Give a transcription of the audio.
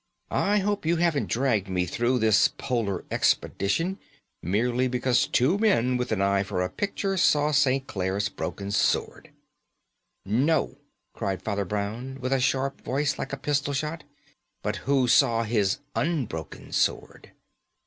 I hope you haven't dragged me through this Polar expedition merely because two men with an eye for a picture saw St. Clare's broken sword." "No," cried Father Brown, with a sharp voice like a pistol shot; "but who saw his unbroken sword?"